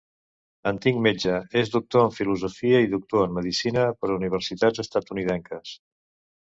Antic metge, és doctor en filosofia i doctor en medicina per universitats estatunidenques.